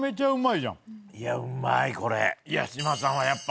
いやうまいこれ。